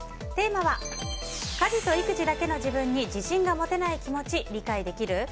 テーマは家事と育児だけの自分に自信が持てない気持ち理解できる？